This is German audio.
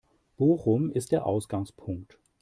Bochum ist der Ausgangspunkt.